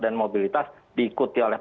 dan mobilitas diikuti oleh